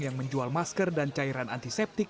yang menjual masker dan cairan antiseptik